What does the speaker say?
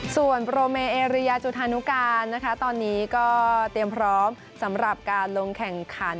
ส่วนโปรเมเอเรียจุธานุการนะคะตอนนี้ก็เตรียมพร้อมสำหรับการลงแข่งขัน